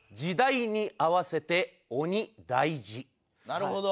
なるほど！